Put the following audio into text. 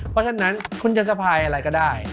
เพราะฉะนั้นคุณจะสะพายอะไรก็ได้